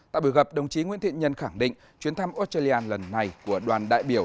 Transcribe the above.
tại buổi gặp đồng chí nguyễn thiện nhân khẳng định chuyến thăm australia lần này của đoàn đại biểu